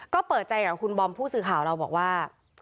ก็เปิดใจกับคุณบอมผู้สื่อข่าวเราบอกว่า